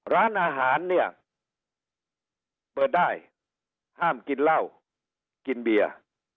ร้านอาหารเนี่ยเปิดได้ห้ามกินเหล้ากินเบียร์